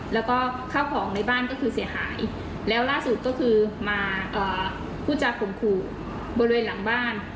แล้วก็ข้าวของในบ้านก็คือเสียหายแล้วล่าสุดก็คือมาพูดจาข่มขู่บริเวณหลังบ้าน